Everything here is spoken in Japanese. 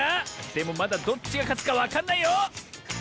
でもまだどっちがかつかわかんないよ！